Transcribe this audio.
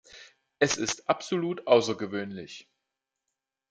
Es ist absolut außergewöhnlich.